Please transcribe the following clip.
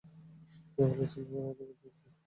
কেউ কেউ বলেছেন, কুরআনের পঁয়ত্রিশ জায়গায় এর উল্লেখ রয়েছে।